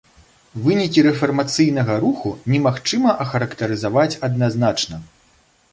Вынікі рэфармацыйнага руху немагчыма ахарактарызаваць адназначна.